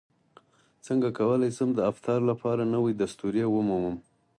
څنګه کولی شم د افتار لپاره نوې دستورې ومومم